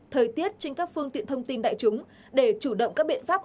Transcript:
thời tiết trên các phương tiện thông tin đại chúng để chủ động các biện pháp